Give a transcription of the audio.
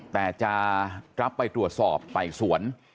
แต่จะรับไปตรวจสอบไต่สวน